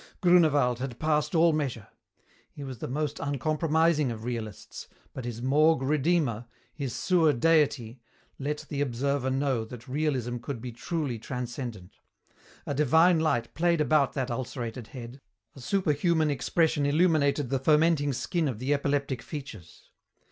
Grünewald had passed all measure. He was the most uncompromising of realists, but his morgue Redeemer, his sewer Deity, let the observer know that realism could be truly transcendent. A divine light played about that ulcerated head, a superhuman expression illuminated the fermenting skin of the epileptic features.